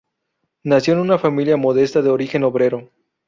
Nació en una familia modesta de origen obrero.